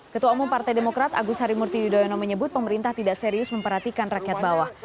ketua umum partai demokrat agus harimurti yudhoyono menyebut pemerintah tidak serius memperhatikan rakyat bawah